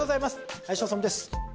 林修です。